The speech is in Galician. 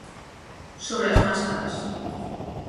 Sobre as máscaras.